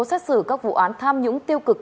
xét xử các vụ án tham nhũng tiêu cực